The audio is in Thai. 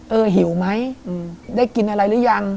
หิวไหมได้กินอะไรหรือยัง